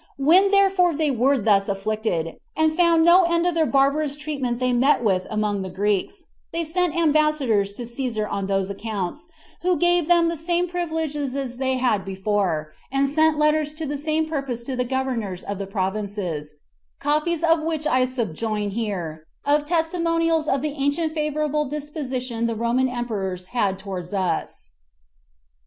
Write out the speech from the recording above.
When therefore they were thus afflicted, and found no end of their barbarous treatment they met with among the Greeks, they sent ambassadors to Cæsar on those accounts, who gave them the same privileges as they had before, and sent letters to the same purpose to the governors of the provinces, copies of which I subjoin here, as testimonials of the ancient favorable disposition the Roman emperors had towards us.